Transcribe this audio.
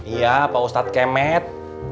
iya pak ustadz kemet